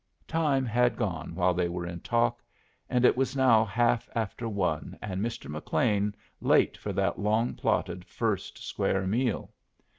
Time had gone while they were in talk, and it was now half after one and Mr. McLean late for that long plotted first square meal.